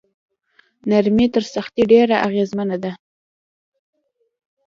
نرمي تر سختۍ ډیره اغیزمنه ده.